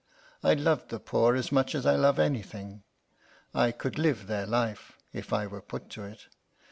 I love the poor as much as I love anything. I could live their life, if I were put to it.